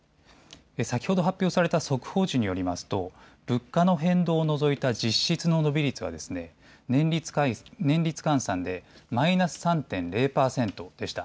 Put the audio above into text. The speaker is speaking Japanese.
先ほど発表された速報値によりますと物価の変動を除いた実質の伸び率は年率換算でマイナス３．０％でした。